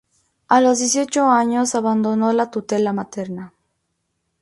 A los dieciocho años abandonó la tutela materna.